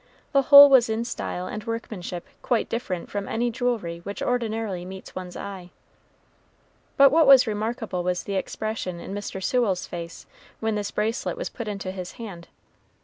The whole was in style and workmanship quite different from any jewelry which ordinarily meets one's eye. But what was remarkable was the expression in Mr. Sewell's face when this bracelet was put into his hand.